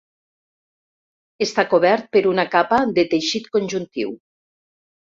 Està cobert per una capa de teixit conjuntiu.